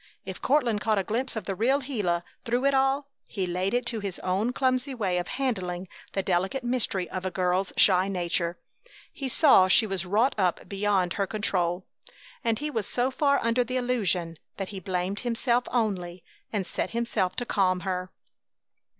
If Courtland caught a glimpse of the real Gila through it all he laid it to his own clumsy way of handling the delicate mystery of a girl's shy nature. He saw she was wrought up beyond her own control, and he was so far under the illusion that he blamed himself only, and set himself to calm her.